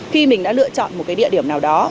khi mình đã lựa chọn một cái địa điểm nào đó